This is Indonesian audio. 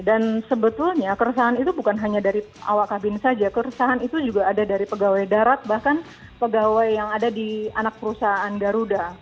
dan sebetulnya keresahan itu bukan hanya dari awak kabin saja keresahan itu juga ada dari pegawai darat bahkan pegawai yang ada di anak perusahaan garuda